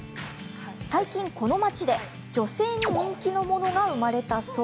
最近この町で女性に人気のものが生まれたそう。